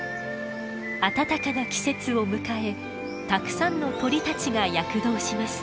暖かな季節を迎えたくさんの鳥たちが躍動します。